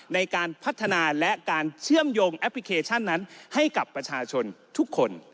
ในการพัฒนาและการเชื่อมโยงแอปพลิเคชันนั้นให้กับประชาชนทุกคน